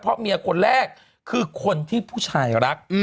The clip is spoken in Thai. เพราะเมียคนแรกคือคนที่ผู้ชายรัก